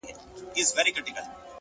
• ډیري وژړېدې بوري د زلمیانو پر جنډیو,